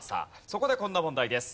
そこでこんな問題です。